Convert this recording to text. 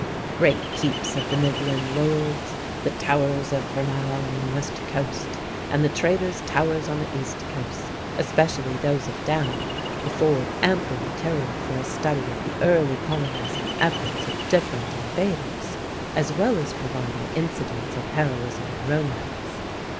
The great keeps of the midland lords, the towers of Granuaile on the west coast, and the traders' towers on the east coast, especially those of Down, afford ample material for a study of the early colonizing efforts of different invaders, as well as providing incidents of heroism and romance.